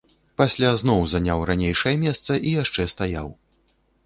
Пасля зноў заняў ранейшае месца і яшчэ стаяў.